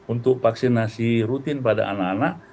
untuk vaksinasi rutin pada anak anak